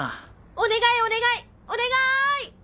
お願いお願いお願い！